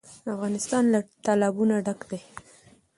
افغانستان له تالابونه ډک دی.